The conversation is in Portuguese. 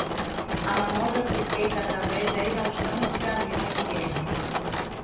A manobra foi feita através da exaustão dos gaviões de guerra